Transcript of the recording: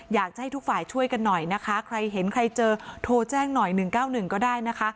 อยากจะให้ทุกฝ่ายช่วยกันหน่อยนะคะใครเห็นใครเจอโทรแจ้งหน่อย๑๙๑ก็ได้นะคะ